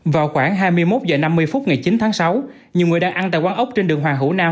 vào khoảng hai mươi một h năm mươi phút ngày chín tháng sáu nhiều người đang ăn tại quán ốc trên đường hoàng hữu nam